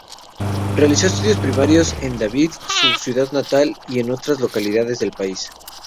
Realizó estudios primarios en David, su ciudad natal, y en otras localidades del país.